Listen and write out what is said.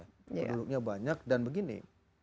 penduduknya banyak dan begini